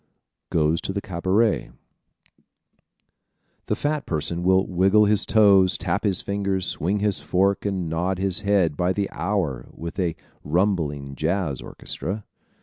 Goes to the Cabaret ¶ The fat person will wiggle his toes, tap his fingers, swing his fork and nod his head by the hour with a rumbling jazz orchestra.